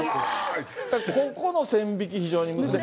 ここの線引き、非常に難しい。